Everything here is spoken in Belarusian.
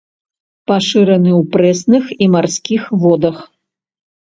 Пашыраны ў прэсных і марскіх водах.